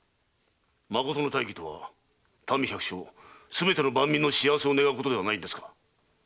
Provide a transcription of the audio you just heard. まことの大儀とは民百姓すべての万人の幸せを願うことではないんですか。